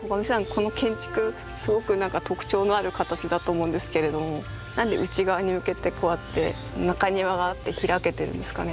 この建築すごくなんか特徴のある形だと思うんですけれどもなんで内側に向けてこうやって中庭があって開けてるんですかね。